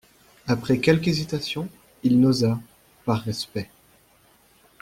Après quelque hésitation, il n'osa, par respect.